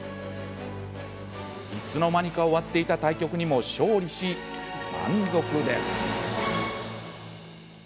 いつの間にか終わっていた対局にも勝利し、満足です。